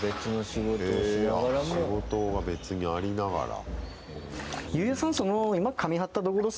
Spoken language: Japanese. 仕事が別にありながら。